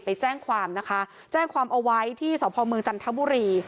ไปแจ้งความนะคะแจ้งความเอาไว้ที่สพเมืองจันทบุรี